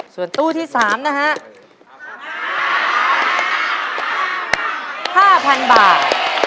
ส่วนตู้ที่สามนะคะห้าพันบาท